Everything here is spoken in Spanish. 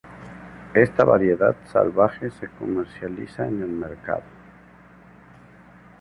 Esta variedad salvaje se comercializa en el mercado.